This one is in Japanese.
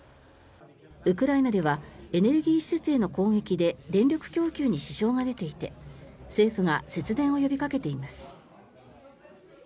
ウクライナではエネルギー施設への攻撃で電力供給に支障が出ていて政府が節電を呼びかけています。